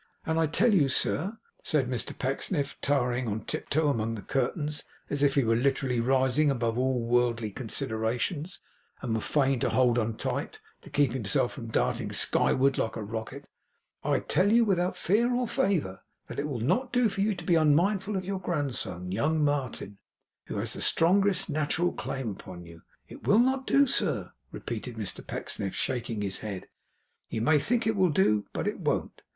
And I tell you, sir,' said Mr Pecksniff, towering on tiptoe among the curtains, as if he were literally rising above all worldly considerations, and were fain to hold on tight, to keep himself from darting skyward like a rocket, 'I tell you without fear or favour, that it will not do for you to be unmindful of your grandson, young Martin, who has the strongest natural claim upon you. It will not do, sir,' repeated Mr Pecksniff, shaking his head. 'You may think it will do, but it won't.